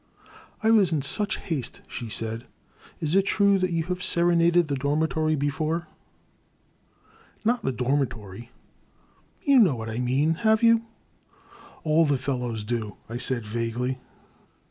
I was in such haste," she said. Is it trae that you have serenaded the dormitory before ?"'' Not the dormitory '' 714^ Crime. 285 You know whftt I mean; have you ?" All the fellows do," I said, vaguely.